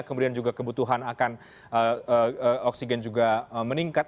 kemudian juga kebutuhan akan oksigen juga meningkat